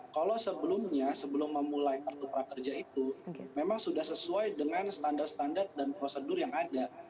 kalau sebelumnya sebelum memulai kartu prakerja itu memang sudah sesuai dengan standar standar dan prosedur yang ada